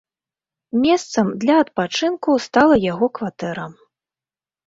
Месцам для адпачынку стала яго кватэра.